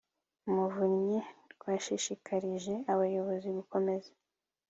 umuvunyi rwashishikarije abayobozi gukomeza